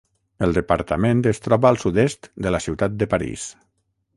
El departament es troba al sud-est de la ciutat de París.